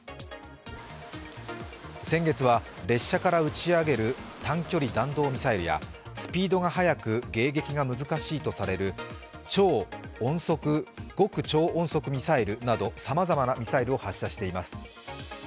先月は列車から打ち上げる短距離弾道ミサイルやスピードが速く迎撃が難しいとされる極超音速ミサイルなど、さまざまなミサイルを発射しています。